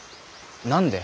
何で？